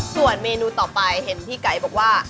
ส่วนเมนูต่อไปเห็นพี่ไก่บอกว่า